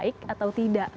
ini orang baik atau tidak